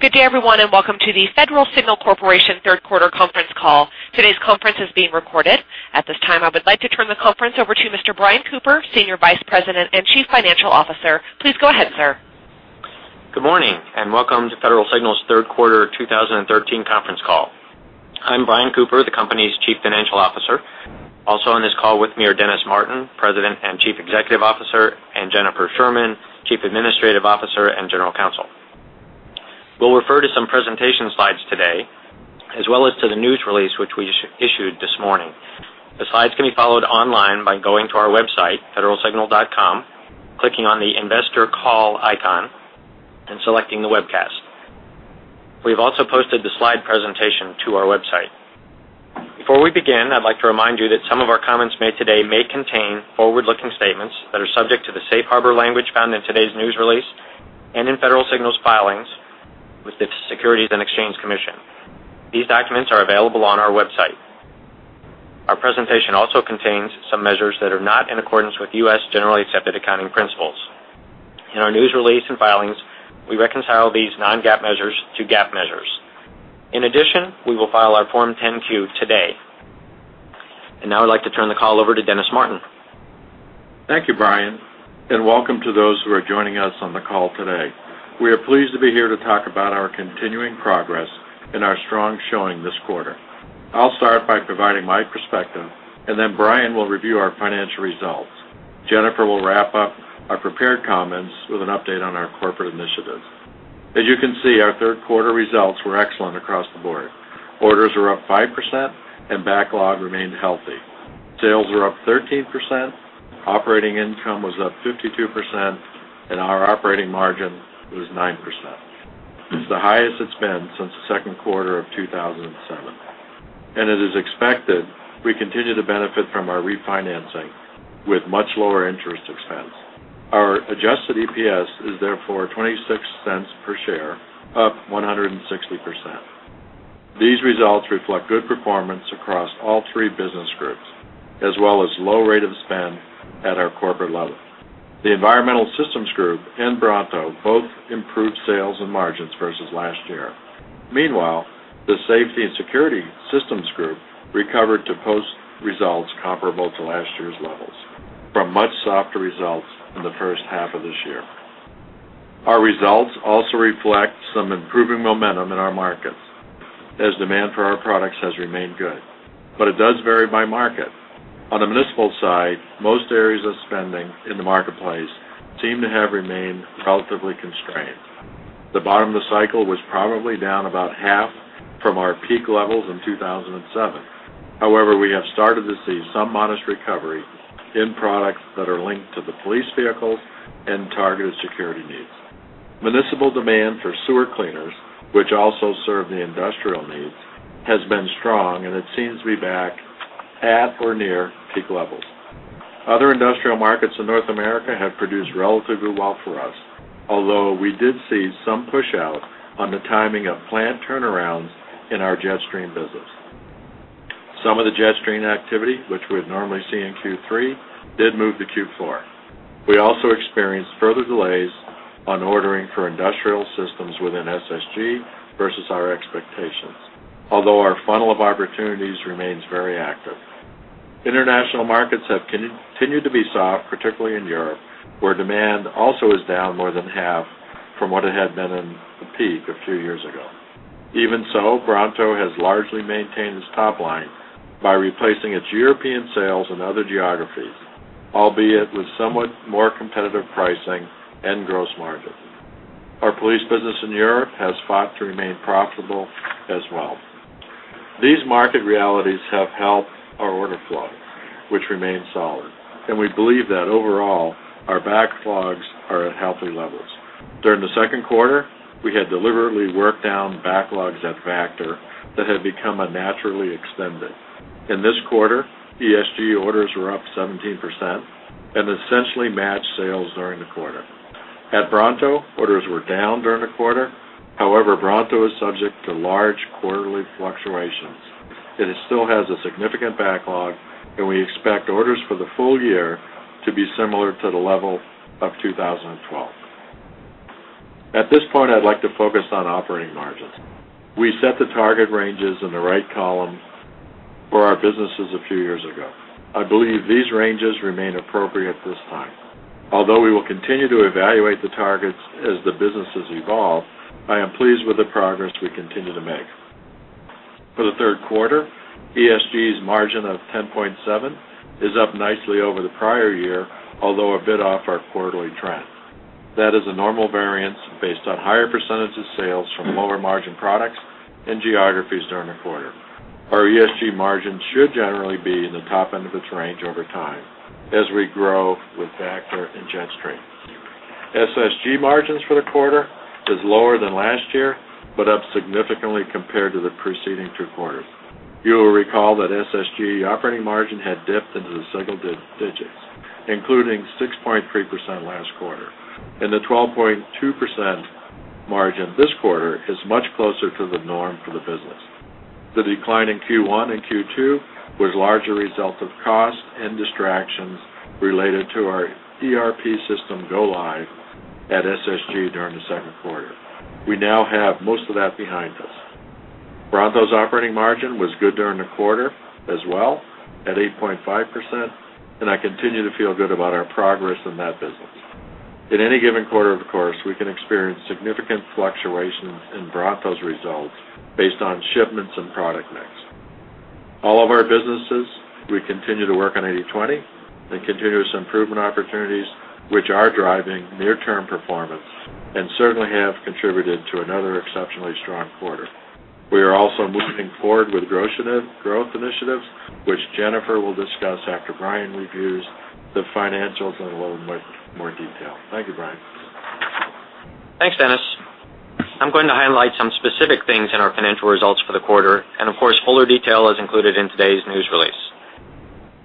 Hi. Good day, everyone, welcome to the Federal Signal Corporation third quarter conference call. Today's conference is being recorded. At this time, I would like to turn the conference over to Mr. Brian Cooper, Senior Vice President and Chief Financial Officer. Please go ahead, sir. Good morning, welcome to Federal Signal's third quarter 2013 conference call. I'm Brian Cooper, the company's Chief Financial Officer. Also on this call with me are Dennis Martin, President and Chief Executive Officer, and Jennifer Sherman, Chief Administrative Officer and General Counsel. We'll refer to some presentation slides today, as well as to the news release which we issued this morning. The slides can be followed online by going to our website, federalsignal.com, clicking on the Investor Call icon, and selecting the webcast. We've also posted the slide presentation to our website. Before we begin, I'd like to remind you that some of our comments made today may contain forward-looking statements that are subject to the safe harbor language found in today's news release and in Federal Signal's filings with the Securities and Exchange Commission. These documents are available on our website. Our presentation also contains some measures that are not in accordance with US GAAP. In our news release and filings, we reconcile these non-GAAP measures to GAAP measures. In addition, we will file our Form 10-Q today. Now I'd like to turn the call over to Dennis Martin. Thank you, Brian, and welcome to those who are joining us on the call today. We are pleased to be here to talk about our continuing progress and our strong showing this quarter. I'll start by providing my perspective, Brian will review our financial results. Jennifer will wrap up our prepared comments with an update on our corporate initiatives. As you can see, our third quarter results were excellent across the board. Orders were up 5% and backlog remained healthy. Sales were up 13%, operating income was up 52%, and our operating margin was 9%. It's the highest it's been since the second quarter of 2007. As is expected, we continue to benefit from our refinancing with much lower interest expense. Our adjusted EPS is therefore $0.26 per share, up 160%. These results reflect good performance across all three business groups, as well as low rate of spend at our corporate level. The Environmental Solutions Group and Bronto both improved sales and margins versus last year. Meanwhile, the Safety and Security Systems Group recovered to post results comparable to last year's levels, from much softer results in the first half of this year. Our results also reflect some improving momentum in our markets, as demand for our products has remained good. It does vary by market. On the municipal side, most areas of spending in the marketplace seem to have remained relatively constrained. The bottom of the cycle was probably down about half from our peak levels in 2007. However, we have started to see some modest recovery in products that are linked to the police vehicles and targeted security needs. Municipal demand for sewer cleaners, which also serve the industrial needs, has been strong, and it seems to be back at or near peak levels. Other industrial markets in North America have produced relatively well for us, although we did see some push-out on the timing of plant turnarounds in our Jetstream business. Some of the Jetstream activity, which we'd normally see in Q3, did move to Q4. We also experienced further delays on ordering for industrial systems within SSG versus our expectations. Although our funnel of opportunities remains very active. International markets have continued to be soft, particularly in Europe, where demand also is down more than half from what it had been in the peak a few years ago. Even so, Bronto has largely maintained its top line by replacing its European sales in other geographies, albeit with somewhat more competitive pricing and gross margin. Our police business in Europe has fought to remain profitable as well. These market realities have helped our order flow, which remains solid. We believe that overall, our backlogs are at healthy levels. During the second quarter, we had deliberately worked down backlogs at Vactor that had become unnaturally extended. In this quarter, ESG orders were up 17% and essentially matched sales during the quarter. At Bronto, orders were down during the quarter. However, Bronto is subject to large quarterly fluctuations, and it still has a significant backlog, and we expect orders for the full year to be similar to the level of 2012. At this point, I'd like to focus on operating margins. We set the target ranges in the right column for our businesses a few years ago. I believe these ranges remain appropriate at this time. Although we will continue to evaluate the targets as the businesses evolve, I am pleased with the progress we continue to make. For the third quarter, ESG's margin of 10.7% is up nicely over the prior year, although a bit off our quarterly trend. That is a normal variance based on higher percentage of sales from lower-margin products and geographies during the quarter. Our ESG margin should generally be in the top end of its range over time as we grow with Vactor and Jetstream. SSG margins for the quarter is lower than last year, but up significantly compared to the preceding two quarters. You will recall that SSG operating margin had dipped into the single digits, including 6.3% last quarter, and the 12.2% margin norm for the business. The decline in Q1 and Q2 was largely a result of cost and distractions related to our ERP system go live at SSG during the second quarter. We now have most of that behind us. Bronto's operating margin was good during the quarter as well, at 8.5%, and I continue to feel good about our progress in that business. At any given quarter, of course, we can experience significant fluctuations in Bronto's results based on shipments and product mix. All of our businesses, we continue to work on 80/20 and continuous improvement opportunities, which are driving near-term performance and certainly have contributed to another exceptionally strong quarter. We are also moving forward with growth initiatives, which Jennifer will discuss after Brian reviews the financials in a little more detail. Thank you, Brian. Thanks, Dennis. I'm going to highlight some specific things in our financial results for the quarter, and of course, fuller detail is included in today's news release.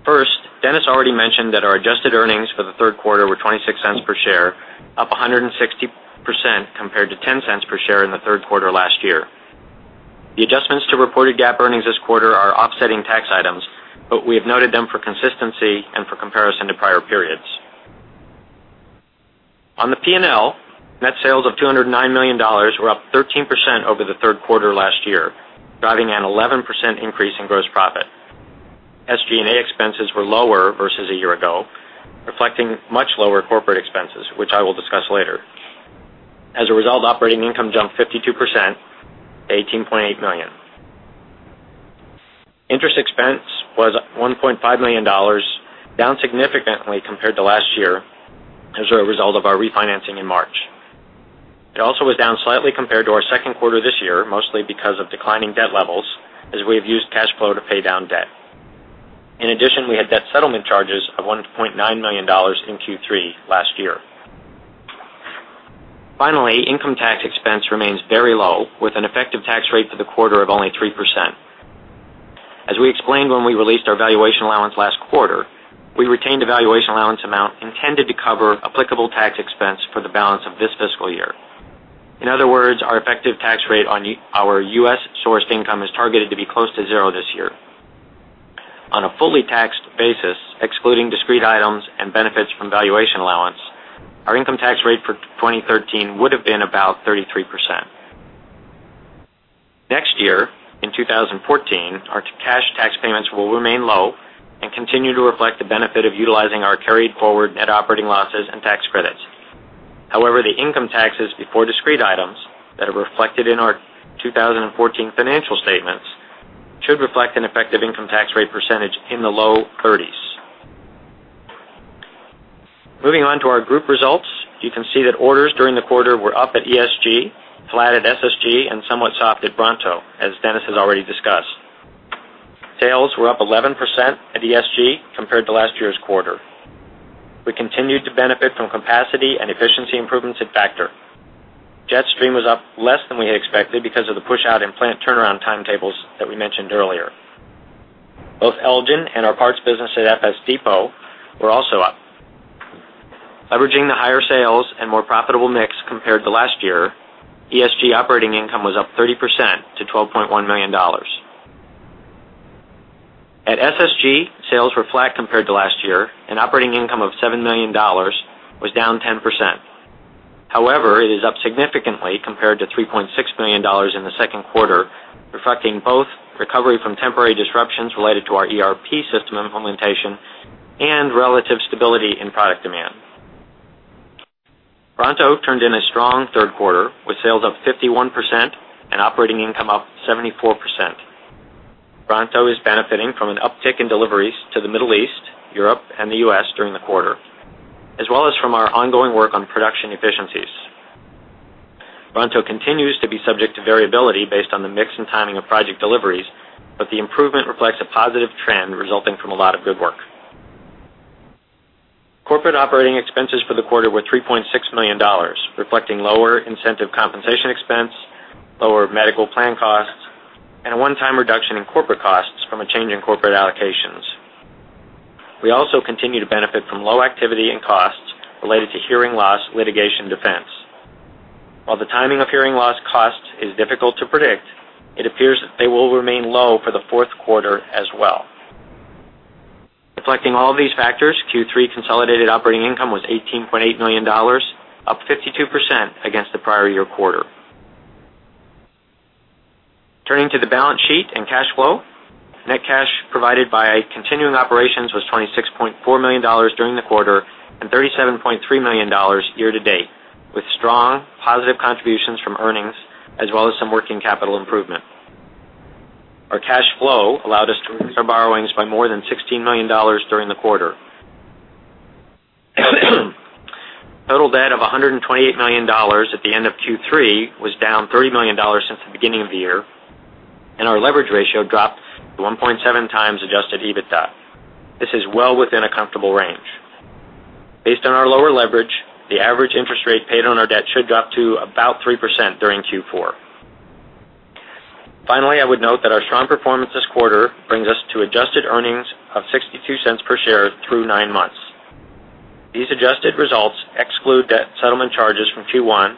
First, Dennis already mentioned that our adjusted earnings for the third quarter were $0.26 per share, up 160% compared to $0.10 per share in the third quarter last year. The adjustments to reported GAAP earnings this quarter are offsetting tax items, but we have noted them for consistency and for comparison to prior periods. On the P&L, net sales of $209 million were up 13% over the third quarter last year, driving an 11% increase in gross profit. SG&A expenses were lower versus a year ago, reflecting much lower corporate expenses, which I will discuss later. As a result, operating income jumped 52% to $18.8 million. Interest expense was $1.5 million, down significantly compared to last year as a result of our refinancing in March. It also was down slightly compared to our second quarter this year, mostly because of declining debt levels, as we have used cash flow to pay down debt. In addition, we had debt settlement charges of $1.9 million in Q3 last year. Finally, income tax expense remains very low, with an effective tax rate for the quarter of only 3%. As we explained when we released our valuation allowance last quarter, we retained a valuation allowance amount intended to cover applicable tax expense for the balance of this fiscal year. In other words, our effective tax rate on our U.S.-sourced income is targeted to be close to zero this year. On a fully taxed basis, excluding discrete items and benefits from valuation allowance, our income tax rate for 2013 would have been about 33%. Next year, in 2014, our cash tax payments will remain low and continue to reflect the benefit of utilizing our carried forward net operating losses and tax credits. However, the income taxes before discrete items that are reflected in our 2014 financial statements should reflect an effective income tax rate percentage in the low 30s. Moving on to our group results. You can see that orders during the quarter were up at ESG, flat at SSG, and somewhat soft at Bronto, as Dennis has already discussed. Sales were up 11% at ESG compared to last year's quarter. We continued to benefit from capacity and efficiency improvements at Vactor. Jetstream was up less than we had expected because of the push out in plant turnaround timetables that we mentioned earlier. Both Elgin and our parts business at FS Depot were also up. Leveraging the higher sales and more profitable mix compared to last year, ESG operating income was up 30% to $12.1 million. At SSG, sales were flat compared to last year, and operating income of $7 million was down 10%. It is up significantly compared to $3.6 million in the second quarter, reflecting both recovery from temporary disruptions related to our ERP system implementation and relative stability in product demand. Bronto turned in a strong third quarter, with sales up 51% and operating income up 74%. Bronto is benefiting from an uptick in deliveries to the Middle East, Europe, and the U.S. during the quarter, as well as from our ongoing work on production efficiencies. Bronto continues to be subject to variability based on the mix and timing of project deliveries, the improvement reflects a positive trend resulting from a lot of good work. Corporate operating expenses for the quarter were $3.6 million, reflecting lower incentive compensation expense, lower medical plan costs, and a one-time reduction in corporate costs from a change in corporate allocations. We also continue to benefit from low activity and costs related to hearing loss litigation defense. While the timing of hearing loss costs is difficult to predict, it appears they will remain low for the fourth quarter as well. Reflecting all of these factors, Q3 consolidated operating income was $18.8 million, up 52% against the prior year quarter. Turning to the balance sheet and cash flow. Net cash provided by continuing operations was $26.4 million during the quarter and $37.3 million year to date, with strong positive contributions from earnings as well as some working capital improvement. Our cash flow allowed us to reduce our borrowings by more than $16 million during the quarter. Total debt of $128 million at the end of Q3 was down $30 million since the beginning of the year, and our leverage ratio dropped to 1.7x adjusted EBITDA. This is well within a comfortable range. Based on our lower leverage, the average interest rate paid on our debt should drop to about 3% during Q4. Finally, I would note that our strong performance this quarter brings us to adjusted earnings of $0.62 per share through nine months Settlement charges from Q1,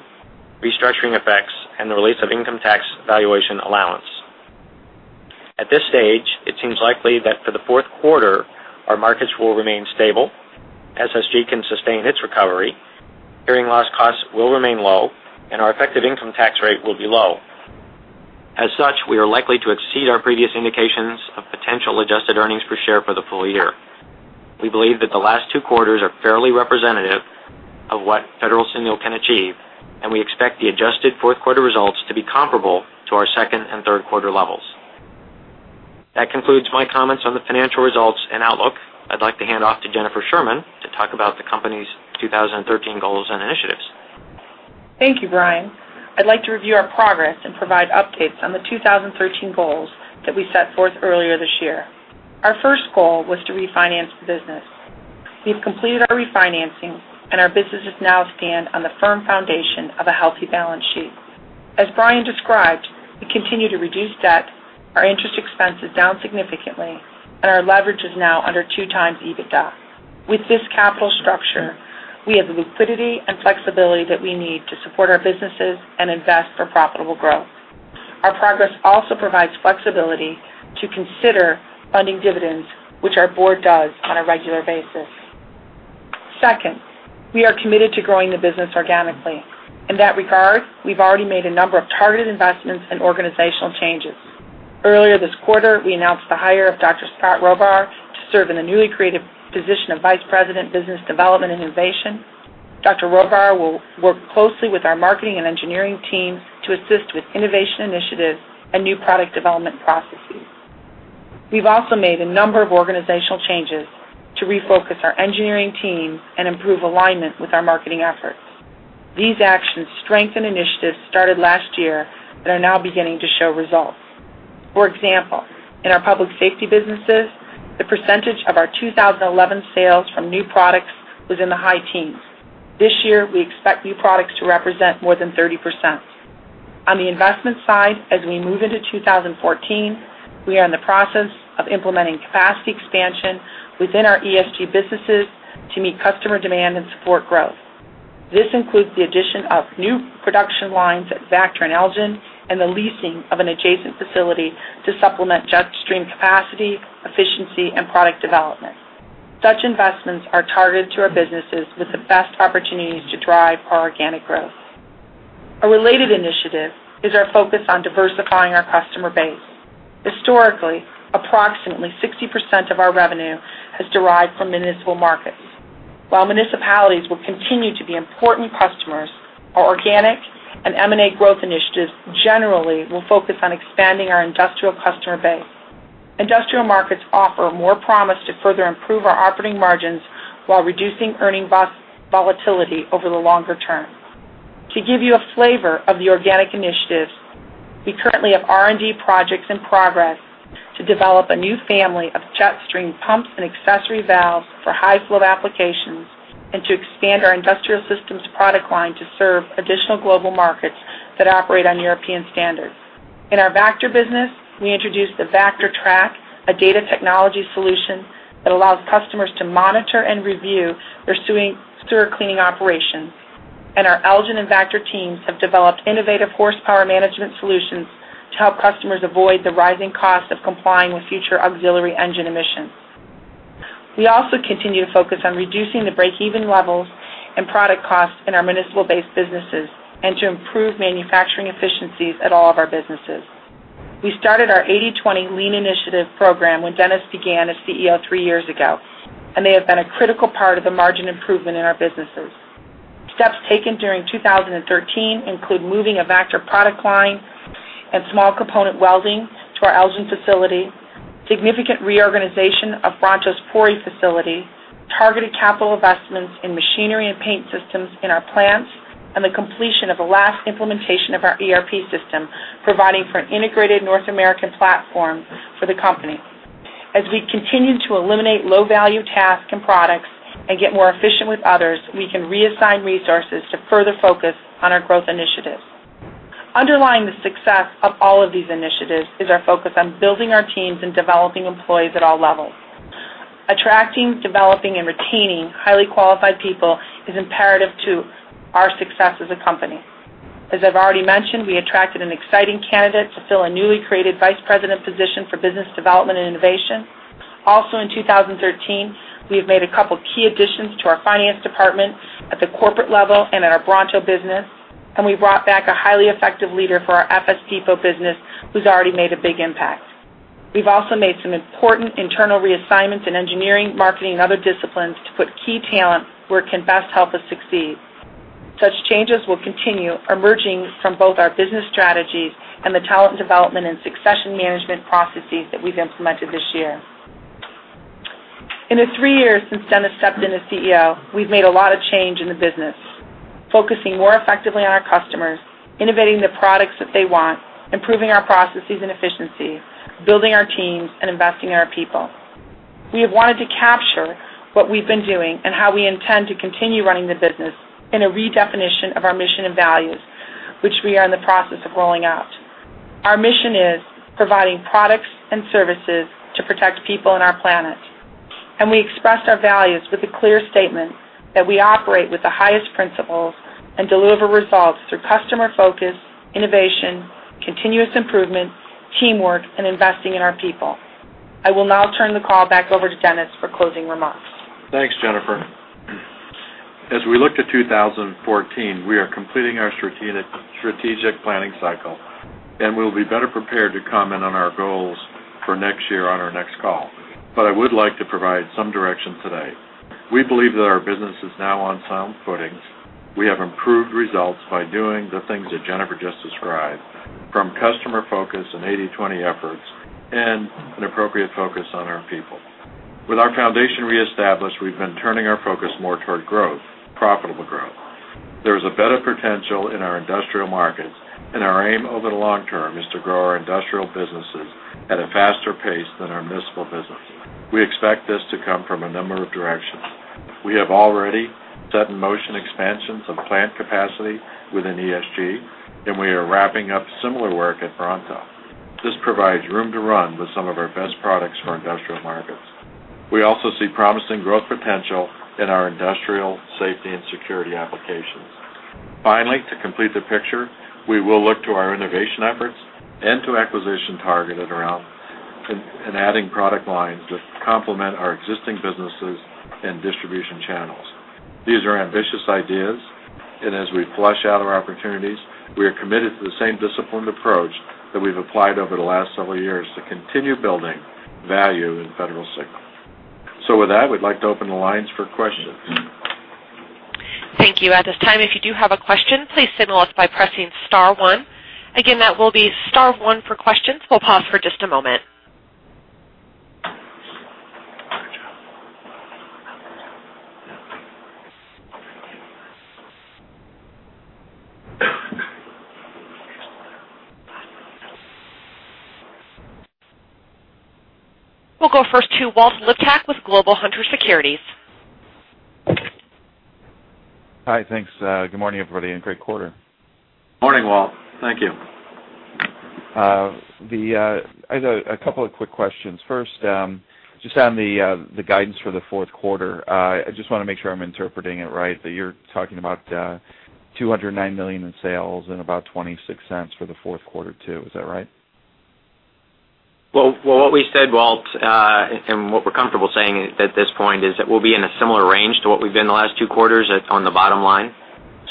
restructuring effects, and the release of income tax valuation allowance. At this stage, it seems likely that for the fourth quarter, our markets will remain stable, SSG can sustain its recovery, hearing loss costs will remain low, and our effective income tax rate will be low. As such, we are likely to exceed our previous indications of potential adjusted earnings per share for the full year. We believe that the last two quarters are fairly representative of what Federal Signal can achieve, and we expect the adjusted fourth quarter results to be comparable to our second and third quarter levels. That concludes my comments on the financial results and outlook. I'd like to hand off to Jennifer Sherman to talk about the company's 2013 goals and initiatives. Thank you, Brian. I'd like to review our progress and provide updates on the 2013 goals that we set forth earlier this year. Our first goal was to refinance the business. We've completed our refinancing, and our business now stands on the firm foundation of a healthy balance sheet. As Brian described, we continue to reduce debt, our interest expense is down significantly, and our leverage is now under two times EBITDA. With this capital structure, we have the liquidity and flexibility that we need to support our businesses and invest for profitable growth. Our progress also provides flexibility to consider funding dividends, which our board does on a regular basis. Second, we are committed to growing the business organically. In that regard, we've already made a number of targeted investments and organizational changes. Earlier this quarter, we announced the hire of Dr. Scott Robar to serve in the newly created position of Vice President, Business Development and Innovation. Dr. Robar will work closely with our marketing and engineering team to assist with innovation initiatives and new product development processes. We've also made a number of organizational changes to refocus our engineering team and improve alignment with our marketing efforts. These actions strengthen initiatives started last year that are now beginning to show results. For example, in our public safety businesses, the percentage of our 2011 sales from new products was in the high teens. This year, we expect new products to represent more than 30%. On the investment side, as we move into 2014, we are in the process of implementing capacity expansion within our ESG businesses to meet customer demand and support growth. This includes the addition of new production lines at Vactor and Elgin and the leasing of an adjacent facility to supplement Jetstream capacity, efficiency, and product development. Such investments are targeted to our businesses with the best opportunities to drive our organic growth. A related initiative is our focus on diversifying our customer base. Historically, approximately 60% of our revenue has derived from municipal markets. While municipalities will continue to be important customers, our organic and M&A growth initiatives generally will focus on expanding our industrial customer base. Industrial markets offer more promise to further improve our operating margins while reducing earning volatility over the longer term. To give you a flavor of the organic initiatives, we currently have R&D projects in progress to develop a new family of Jetstream pumps and accessory valves for high flow applications and to expand our industrial systems product line to serve additional global markets that operate on European standards. In our Vactor business, we introduced the Vactor Trak, a data technology solution that allows customers to monitor and review their sewer cleaning operations. Our Elgin and Vactor teams have developed innovative horsepower management solutions to help customers avoid the rising cost of complying with future auxiliary engine emissions. We also continue to focus on reducing the break-even levels and product costs in our municipal-based businesses and to improve manufacturing efficiencies at all of our businesses. We started our 80/20 Lean initiative program when Dennis began as CEO three years ago, and they have been a critical part of the margin improvement in our businesses. Steps taken during 2013 include moving a Vactor product line and small component welding to our Elgin facility, significant reorganization of Bronto's Pori facility, targeted capital investments in machinery and paint systems in our plants, and the completion of the last implementation of our ERP system, providing for an integrated North American platform for the company. As we continue to eliminate low-value tasks and products and get more efficient with others, we can reassign resources to further focus on our growth initiatives. Underlying the success of all of these initiatives is our focus on building our teams and developing employees at all levels. Attracting, developing, and retaining highly qualified people is imperative to our success as a company. As I've already mentioned, we attracted an exciting candidate to fill a newly created Vice President position for Business Development and Innovation. Also in 2013, we have made a couple of key additions to our finance department at the corporate level and in our Bronto business, and we brought back a highly effective leader for our FS Depot business who's already made a big impact. We've also made some important internal reassignments in engineering, marketing, and other disciplines to put key talent where it can best help us succeed. Such changes will continue, emerging from both our business strategies and the talent development and succession management processes that we've implemented this year. In the three years since Dennis stepped in as CEO, we've made a lot of change in the business, focusing more effectively on our customers, innovating the products that they want, improving our processes and efficiency, building our teams, and investing in our people. We have wanted to capture what we've been doing and how we intend to continue running the business in a redefinition of our mission and values, which we are in the process of rolling out. Our mission is providing products and services to protect people and our planet. We expressed our values with a clear statement that we operate with the highest principles and deliver results through customer focus, innovation, continuous improvement, teamwork, and investing in our people. I will now turn the call back over to Dennis for closing remarks. Thanks, Jennifer. As we look to 2014, we are completing our strategic planning cycle, and we'll be better prepared to comment on our goals for next year on our next call. I would like to provide some direction today. We believe that our business is now on sound footing. We have improved results by doing the things that Jennifer just described, from customer focus and 80/20 efforts and an appropriate focus on our people. With our foundation reestablished, we've been turning our focus more toward growth, profitable growth. There is a better potential in our industrial markets, and our aim over the long term is to grow our industrial businesses at a faster pace than our municipal business. We expect this to come from a number of directions. We have already set in motion expansions of plant capacity within ESG, and we are wrapping up similar work at Bronto. This provides room to run with some of our best products for industrial markets. We also see promising growth potential in our industrial safety and security applications. Finally, to complete the picture, we will look to our innovation efforts and to acquisition targeted around in adding product lines that complement our existing businesses and distribution channels. These are ambitious ideas, and as we flesh out our opportunities, we are committed to the same disciplined approach that we've applied over the last several years to continue building value in Federal Signal. With that, we'd like to open the lines for questions. Thank you. At this time, if you do have a question, please signal us by pressing star one. Again, that will be star one for questions. We'll pause for just a moment. We'll go first to Walt Liptak with Global Hunter Securities. Hi. Thanks. Good morning, everybody, great quarter. Morning, Walt. Thank you. I have a couple of quick questions. First, just on the guidance for the fourth quarter. I just want to make sure I'm interpreting it right, that you're talking about $209 million in sales and about $0.26 for the fourth quarter, too. Is that right? Well, what we said, Walt, and what we're comfortable saying at this point is that we'll be in a similar range to what we've been the last two quarters on the bottom line.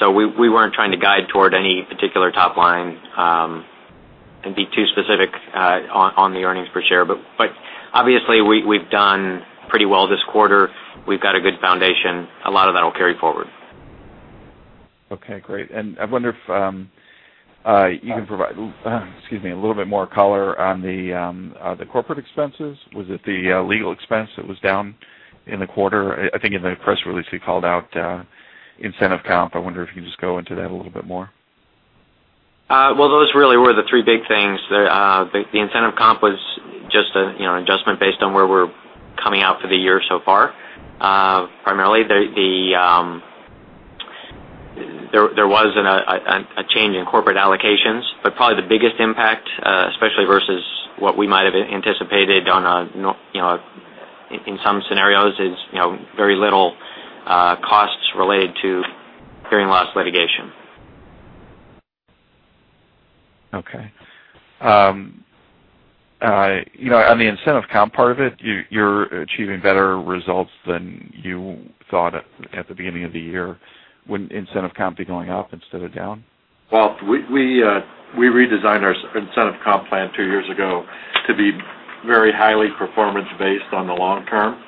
We weren't trying to guide toward any particular top line and be too specific on the earnings per share. Obviously, we've done pretty well this quarter. We've got a good foundation. A lot of that will carry forward. Okay, great. I wonder if you can provide a little bit more color on the corporate expenses. Was it the legal expense that was down in the quarter? I think in the press release, we called out incentive comp. I wonder if you can just go into that a little bit more. Well, those really were the three big things. The incentive comp was just an adjustment based on where we're coming out for the year so far. Primarily, there was a change in corporate allocations, probably the biggest impact, especially versus what we might have anticipated in some scenarios, is very little costs related to hearing loss litigation. Okay. On the incentive comp part of it, you're achieving better results than you thought at the beginning of the year. Wouldn't incentive comp be going up instead of down? Walt, we redesigned our incentive comp plan two years ago to be very highly performance-based on the long term,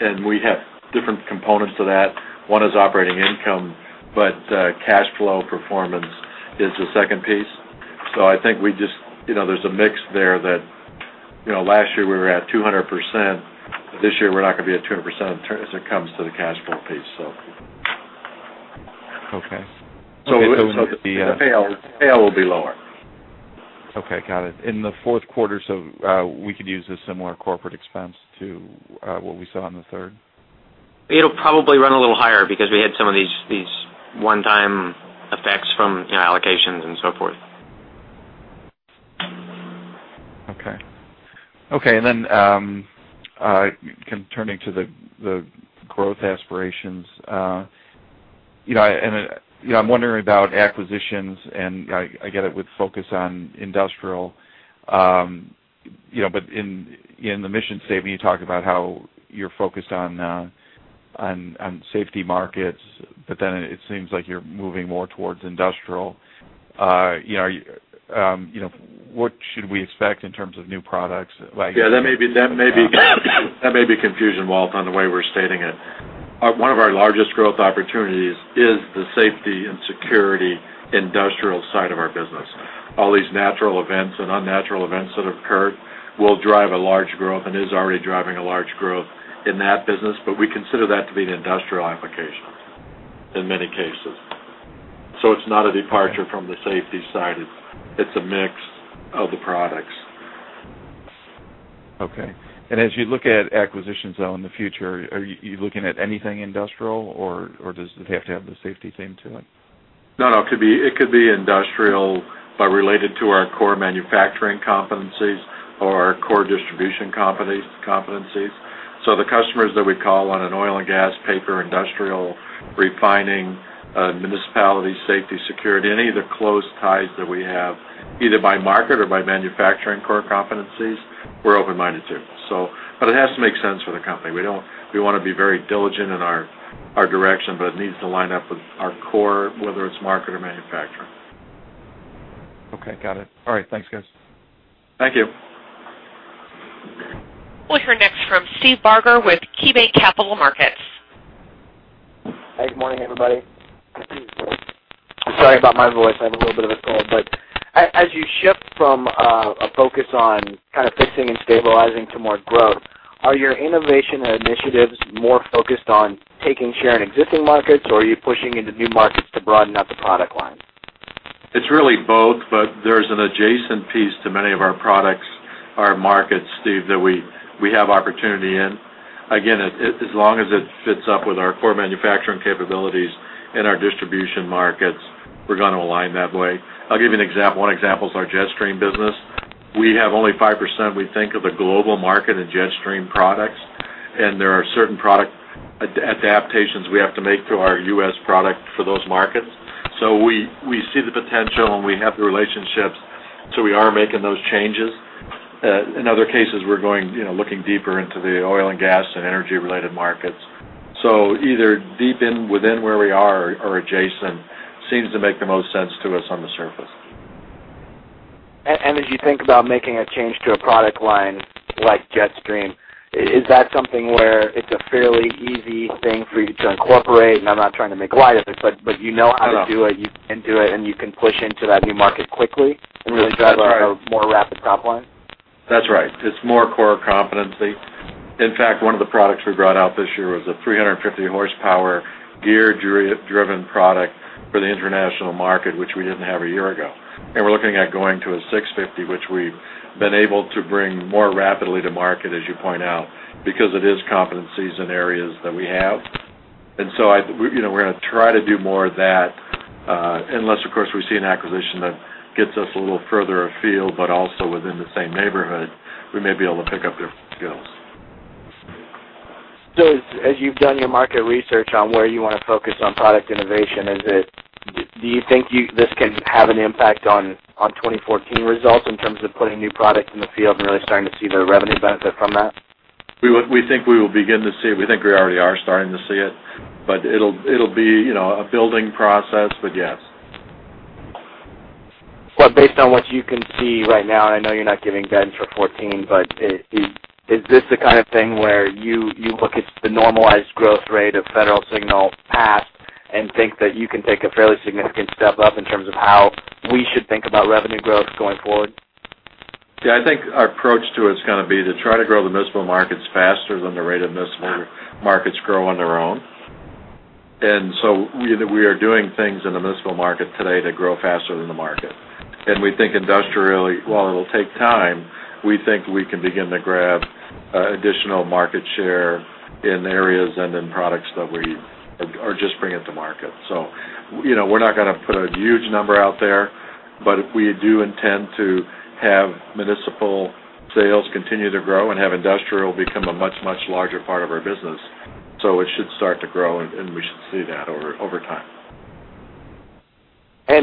and we have different components to that. One is operating income, but cash flow performance is the second piece. I think there's a mix there that last year we were at 200%, but this year we're not going to be at 200% as it comes to the cash flow piece. Okay. The pay will be lower. Okay, got it. In the fourth quarter, we could use a similar corporate expense to what we saw in the third? It'll probably run a little higher because we had some of these one-time effects from allocations and so forth. Okay. Turning to the growth aspirations. I'm wondering about acquisitions, and I get it with focus on industrial. In the mission statement, you talk about how you're focused on safety markets, but then it seems like you're moving more towards industrial. What should we expect in terms of new products? Yeah, that may be confusion, Walt, on the way we're stating it. One of our largest growth opportunities is the safety and security industrial side of our business. All these natural events and unnatural events that have occurred will drive a large growth and is already driving a large growth in that business. We consider that to be an industrial application in many cases. It's not a departure from the safety side. It's a mix of the products. Okay. As you look at acquisitions, though, in the future, are you looking at anything industrial, or does it have to have the safety theme to it? It could be industrial, but related to our core manufacturing competencies or our core distribution competencies. The customers that we call on in oil and gas, paper, industrial, refining, municipality, safety, security, any of the close ties that we have, either by market or by manufacturing core competencies, we're open-minded to. It has to make sense for the company. We want to be very diligent in our direction, but it needs to line up with our core, whether it's market or manufacturing. Okay, got it. All right. Thanks, guys. Thank you. We'll hear next from Steve Barger with KeyBanc Capital Markets. Hey, good morning, everybody. Sorry about my voice. I have a little bit of a cold. As you shift from a focus on kind of fixing and stabilizing to more growth, are your innovation initiatives more focused on taking share in existing markets, or are you pushing into new markets to broaden out the product line? It's really both. There's an adjacent piece to many of our products, our markets, Steve, that we have opportunity in. Again, as long as it fits up with our core manufacturing capabilities and our distribution markets, we're going to align that way. I'll give you an example. One example is our Jetstream business. We have only 5%, we think, of the global market in Jetstream products. There are certain product adaptations we have to make to our U.S. product for those markets. We see the potential. We have the relationships, we are making those changes. In other cases, we're looking deeper into the oil and gas and energy-related markets. Either deep within where we are or adjacent seems to make the most sense to us on the surface. As you think about making a change to a product line like Jetstream, is that something where it's a fairly easy thing for you to incorporate? I'm not trying to make light of it, you know how to do it, you can do it, you can push into that new market quickly, that drives a more rapid top line? That's right. It's more core competency. In fact, one of the products we brought out this year was a 350-horsepower gear-driven product for the international market, which we didn't have a year ago. We're looking at going to a 650, which we've been able to bring more rapidly to market, as you point out, because it is competencies in areas that we have. We're going to try to do more of that, unless, of course, we see an acquisition that gets us a little further afield, also within the same neighborhood, we may be able to pick up their skills. As you've done your market research on where you want to focus on product innovation, do you think this can have an impact on 2014 results in terms of putting new product in the field and really starting to see the revenue benefit from that? We think we will begin to see it. We think we already are starting to see it, but it'll be a building process, but yes. Based on what you can see right now, I know you're not giving guidance for 2014, but is this the kind of thing where you look at the normalized growth rate of Federal Signal past and think that you can take a fairly significant step up in terms of how we should think about revenue growth going forward? I think our approach to it is going to be to try to grow the municipal markets faster than the rate of municipal markets grow on their own. We are doing things in the municipal market today to grow faster than the market. We think industrially, while it'll take time, we think we can begin to grab additional market share in areas and in products that we are just bringing to market. We're not going to put a huge number out there, but we do intend to have municipal sales continue to grow and have industrial become a much, much larger part of our business. It should start to grow, and we should see that over time.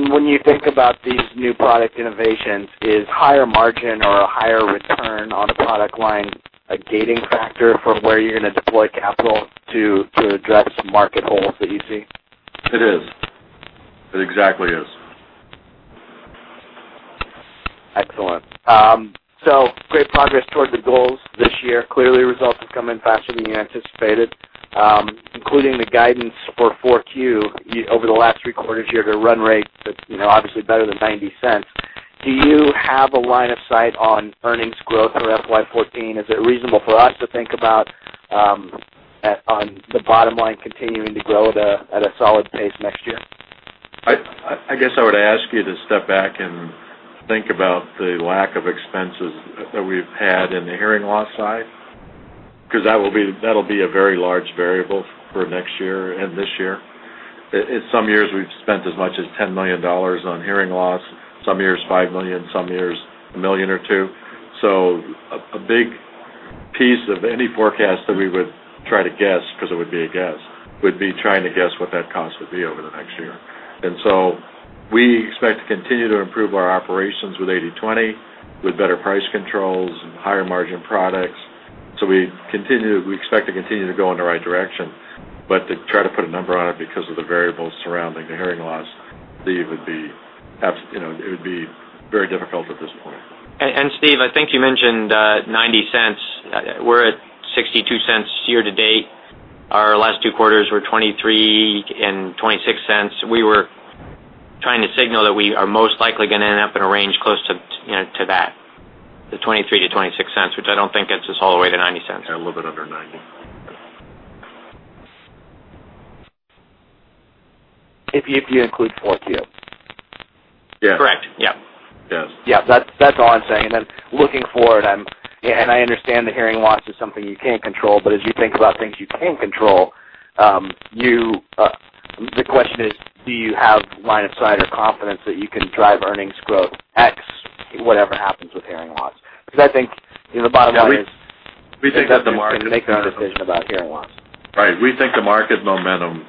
When you think about these new product innovations, is higher margin or a higher return on a product line a gating factor for where you're going to deploy capital to address market holes that you see? It is. It exactly is. Excellent. Great progress toward the goals this year. Clearly, results have come in faster than you anticipated, including the guidance for 4Q. Over the last three quarters here, the run rate is obviously better than $0.90. Do you have a line of sight on earnings growth for FY 2014? Is it reasonable for us to think about the bottom line continuing to grow at a solid pace next year? I guess I would ask you to step back and think about the lack of expenses that we've had in the hearing loss side, because that'll be a very large variable for next year and this year. In some years, we've spent as much as $10 million on hearing loss, some years $5 million, some years $1 million or $2 million. A big piece of any forecast that we would try to guess, because it would be a guess, would be trying to guess what that cost would be over the next year. We expect to continue to improve our operations with 80/20, with better price controls and higher margin products. We expect to continue to go in the right direction, but to try to put a number on it because of the variables surrounding the hearing loss, Steve, it would be very difficult at this point. Steve, I think you mentioned $0.90. We're at $0.62 year to date. Our last two quarters were $0.23 and $0.26. We were trying to signal that we are most likely going to end up in a range close to that, the $0.23-$0.26, which I don't think gets us all the way to $0.90. Yeah, a little bit under $0.90. If you include 4Q Yeah. Correct. Yeah. Yes. Yeah. That's all I'm saying. Looking forward, I understand that hearing loss is something you can't control, but as you think about things you can control, the question is: do you have line of sight or confidence that you can drive earnings growth X, whatever happens with hearing loss? I think the bottom line is. Yeah, we think that the market. You can't make a decision about hearing loss. Right. We think the market momentum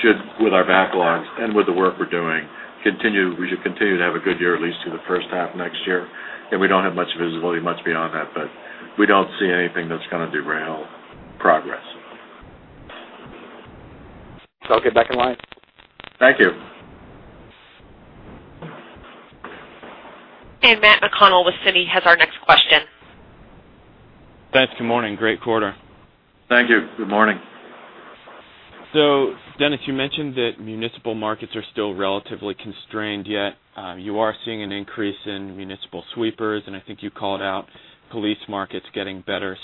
should, with our backlogs and with the work we're doing, we should continue to have a good year, at least through the first half of next year. We don't have much visibility much beyond that, but we don't see anything that's going to derail progress. I'll get back in line. Thank you. Matt McConnell with Citi has our next question. Thanks. Good morning. Great quarter. Thank you. Good morning. Dennis, you mentioned that municipal markets are still relatively constrained, yet you are seeing an increase in municipal sweepers, and I think you called out police markets getting better.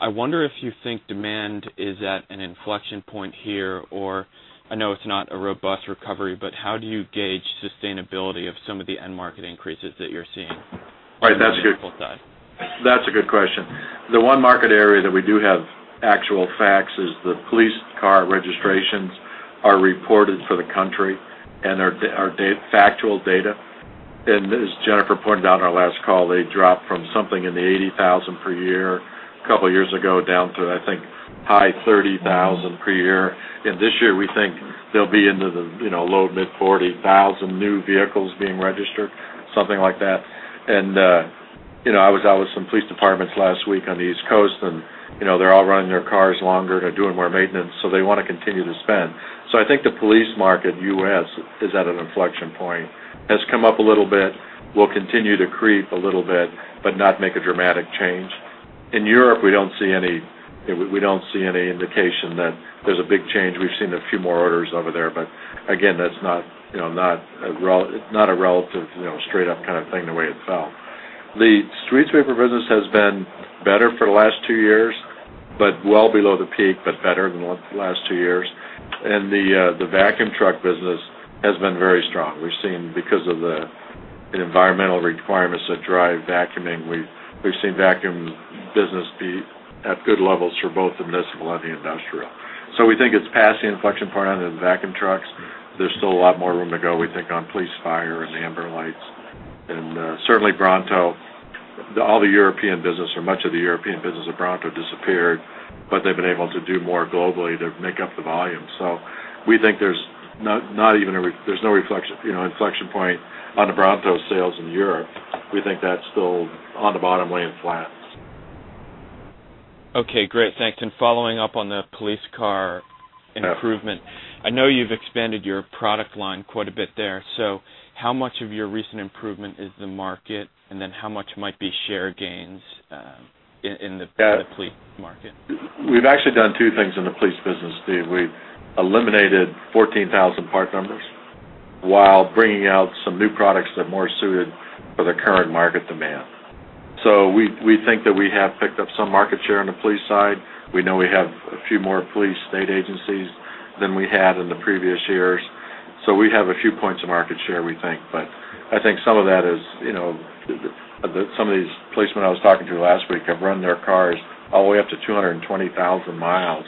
I wonder if you think demand is at an inflection point here, or I know it's not a robust recovery, but how do you gauge sustainability of some of the end market increases that you're seeing? Right. That's a good. On the municipal side. That's a good question. The one market area that we do have actual facts is the police car registrations are reported for the country, and are factual data. As Jennifer pointed out on our last call, they dropped from something in the 80,000 per year a couple of years ago, down to, I think, high 30,000 per year. This year, we think they'll be into the low to mid 40,000 new vehicles being registered, something like that. I was out with some police departments last week on the East Coast, and they're all running their cars longer. They're doing more maintenance, so they want to continue to spend. I think the police market, U.S., is at an inflection point, has come up a little bit, will continue to creep a little bit, but not make a dramatic change. In Europe, we don't see any indication that there's a big change. We've seen a few more orders over there, but again, that's not a relative, straight up kind of thing the way it fell. The street sweeper business has been better for the last two years, but well below the peak, but better than the last two years. The vacuum truck business has been very strong. Because of the environmental requirements that drive vacuuming, we've seen vacuum business be at good levels for both the municipal and the industrial. We think it's past the inflection point on the vacuum trucks. There's still a lot more room to go, we think, on police, fire, and the amber lights. Certainly Bronto. All the European business, or much of the European business of Bronto disappeared, but they've been able to do more globally to make up the volume. We think there's no inflection point on the Bronto sales in Europe. We think that's still on the bottom laying flat. Okay, great. Thanks. Following up on the police car improvement. Yeah. I know you've expanded your product line quite a bit there. How much of your recent improvement is the market, how much might be share gains in the police market? We've actually done two things in the police business, Steve. We've eliminated 14,000 part numbers while bringing out some new products that are more suited for the current market demand. We think that we have picked up some market share on the police side. We know we have a few more police state agencies than we had in the previous years. We have a few points of market share, we think. I think some of these policemen I was talking to last week have run their cars all the way up to 220,000 miles,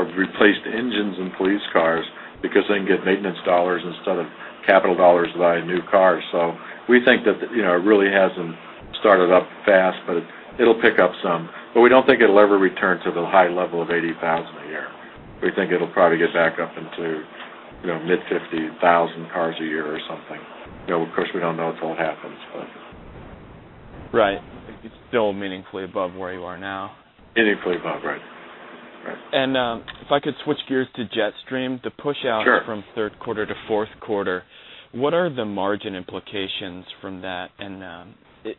have replaced engines in police cars because they can get maintenance dollars instead of capital dollars to buy a new car. We think that it really hasn't started up fast, but it'll pick up some. We don't think it'll ever return to the high level of 80,000 a year. We think it'll probably get back up into mid 50,000 cars a year or something. Of course, we don't know until it happens, but Right. It's still meaningfully above where you are now. Meaningfully above, right. If I could switch gears to Jetstream. Sure. The push out from third quarter to fourth quarter, what are the margin implications from that?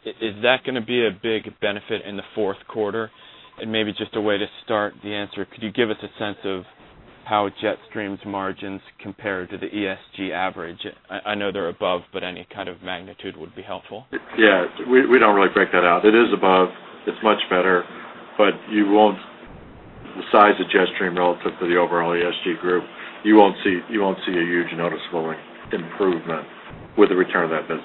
Is that going to be a big benefit in the fourth quarter? Maybe just a way to start the answer, could you give us a sense of how Jetstream's margins compare to the ESG average? I know they're above, but any kind of magnitude would be helpful. Yeah. We don't really break that out. It is above. It's much better. The size of Jetstream relative to the overall ESG group, you won't see a huge noticeable improvement with the return of that business.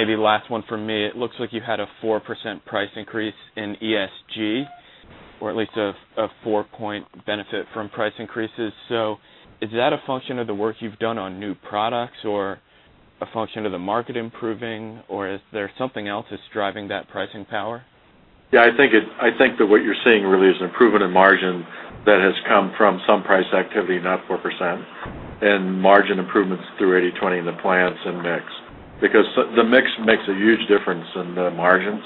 Maybe last one from me. It looks like you had a 4% price increase in ESG, or at least a 4-point benefit from price increases. Is that a function of the work you've done on new products, or a function of the market improving, or is there something else that's driving that pricing power? I think that what you're seeing really is an improvement in margin that has come from some price activity, not 4%, and margin improvements through 80/20 in the plants and mix. The mix makes a huge difference in the margins.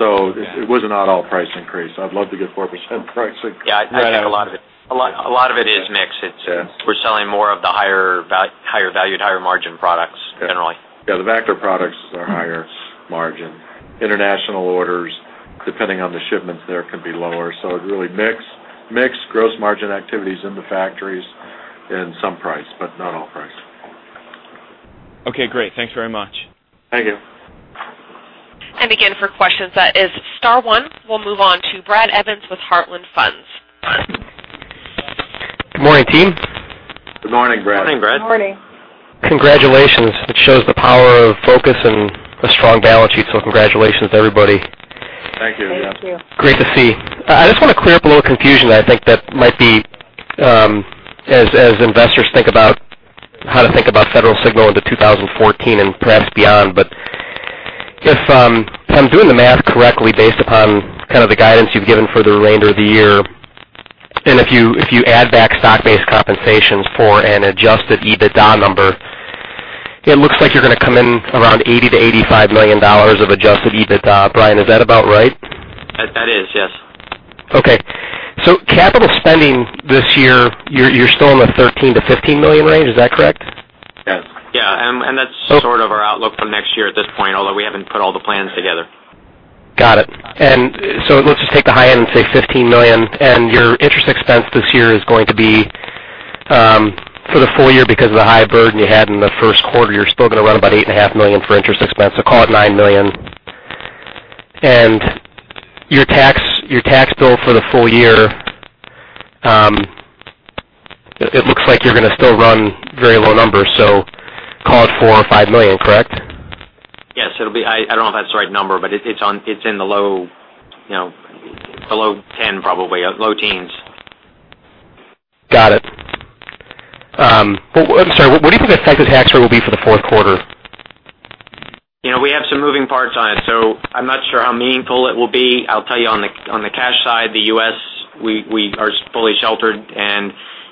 It was not all price increase. I'd love to get 4% price increase. I think a lot of it is mix. Yeah. We're selling more of the higher valued, higher margin products generally. the Vactor products are higher margin. International orders, depending on the shipments there, could be lower. Really mix, gross margin activities in the factories, and some Okay, great. Thanks very much. Thank you. Again, for questions, that is star one. We'll move on to Brad Evans with Heartland Funds. Good morning, team. Good morning, Brad. Morning, Brad. Good morning. Congratulations. It shows the power of focus and a strong balance sheet, congratulations, everybody. Thank you, again. Thank you. Great to see. I just want to clear up a little confusion I think that might be, as investors think about how to think about Federal Signal into 2014 and perhaps beyond. If I'm doing the math correctly, based upon the guidance you've given for the remainder of the year, and if you add back stock-based compensations for an adjusted EBITDA number, it looks like you're going to come in around $80 million-$85 million of adjusted EBITDA. Brian, is that about right? That is, yes. Okay. Capital spending this year, you're still in the $13 million-$15 million range. Is that correct? Yes. Yeah. That's sort of our outlook for next year at this point, although we haven't put all the plans together. Got it. Let's just take the high end and say $15 million, and your interest expense this year is going to be, for the full year, because of the high burden you had in the first quarter, you're still going to run about eight and a half million for interest expense, so call it $9 million. Your tax bill for the full year, it looks like you're going to still run very low numbers, so call it $4 million or $5 million, correct? Yes. I don't know if that's the right number, but it's in the low 10, probably, low teens. Got it. I'm sorry, what do you think the effective tax rate will be for the fourth quarter? We have some moving parts on it, I'm not sure how meaningful it will be. I'll tell you on the cash side, the U.S., we are fully sheltered,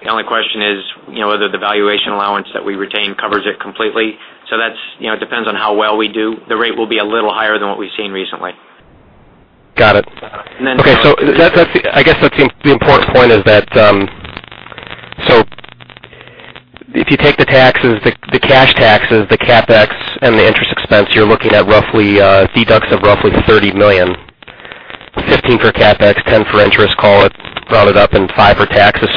the only question is whether the valuation allowance that we retain covers it completely. That depends on how well we do. The rate will be a little higher than what we've seen recently. Got it. And then- Okay. I guess the important point is that, if you take the taxes, the cash taxes, the CapEx, and the interest expense, you're looking at roughly deductions of roughly $30 million. 15 for CapEx, 10 for interest, call it, round it up, and five for taxes.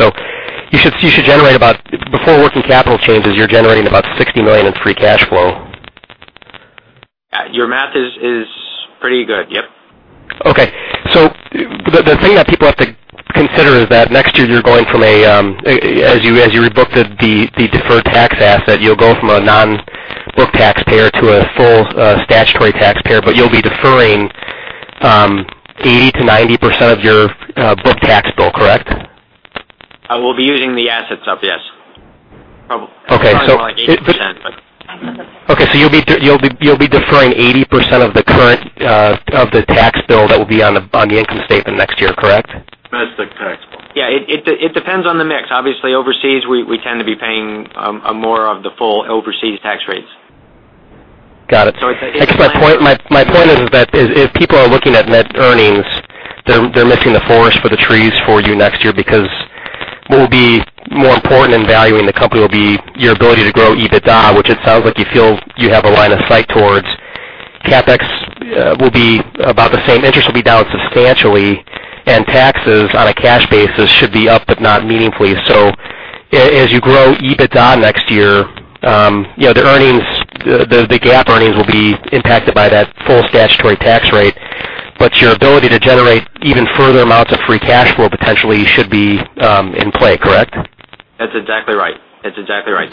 You should generate about, before working capital changes, you're generating about $60 million in free cash flow. Your math is pretty good. Yep. Okay. The thing that people have to consider is that next year you're going from a, as you rebook the deferred tax asset, you'll go from a non-book taxpayer to a full statutory taxpayer, but you'll be deferring 80% to 90% of your book tax bill, correct? We'll be using the assets up, yes. Okay. Probably more like 80%, but Okay, you'll be deferring 80% of the current tax bill that will be on the income statement next year, correct? That's the tax bill. Yeah, it depends on the mix. Obviously, overseas, we tend to be paying more of the full overseas tax rates. Got it. So it's- I guess my point is that if people are looking at net earnings, they're missing the forest for the trees for you next year because what will be more important in valuing the company will be your ability to grow EBITDA, which it sounds like you feel you have a line of sight towards. CapEx will be about the same. Interest will be down substantially. Taxes on a cash basis should be up, but not meaningfully. As you grow EBITDA next year, the GAAP earnings will be impacted by that full statutory tax rate. Your ability to generate even further amounts of free cash flow potentially should be in play, correct? That's exactly right.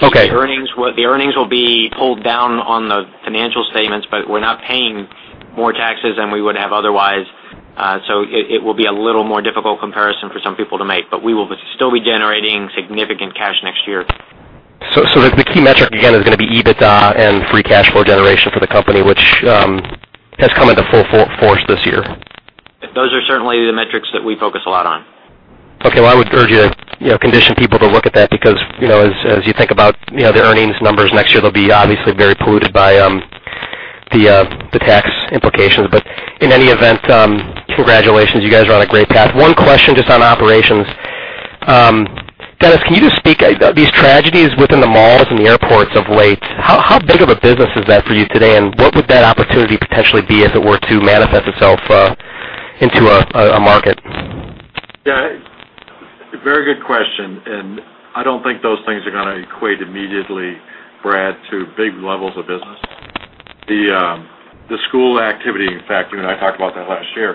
Okay. The earnings will be pulled down on the financial statements, we're not paying more taxes than we would have otherwise. It will be a little more difficult comparison for some people to make. We will still be generating significant cash next year. The key metric, again, is going to be EBITDA and free cash flow generation for the company, which has come into full force this year. Those are certainly the metrics that we focus a lot on. Okay, well, I would urge you to condition people to look at that because as you think about the earnings numbers next year, they'll be obviously very polluted by the tax implications. In any event, congratulations. You guys are on a great path. One question just on operations. Dennis, can you just speak, these tragedies within the malls and the airports of late, how big of a business is that for you today, and what would that opportunity potentially be if it were to manifest itself into a market? Yeah. Very good question. I don't think those things are going to equate immediately, Brad, to big levels of business. The school activity, in fact, you and I talked about that last year.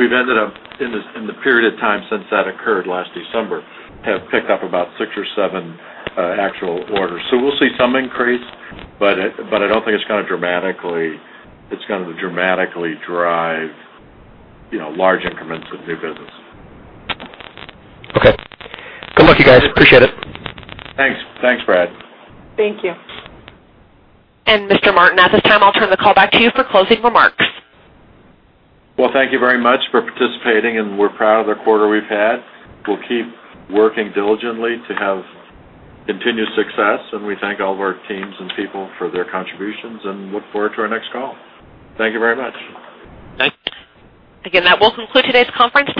We've ended up, in the period of time since that occurred last December, have picked up about six or seven actual orders. We'll see some increase, but I don't think it's going to dramatically drive large increments of new business. Okay. Good luck, you guys. Appreciate it. Thanks, Brad. Thank you. Mr. Martin, at this time, I'll turn the call back to you for closing remarks. Well, thank you very much for participating, and we're proud of the quarter we've had. We'll keep working diligently to have continued success, and we thank all of our teams and people for their contributions and look forward to our next call. Thank you very much. Thanks. Again, that will conclude today's conference.